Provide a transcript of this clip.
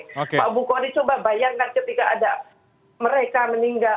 pak bu kore coba bayangkan ketika ada mereka meninggal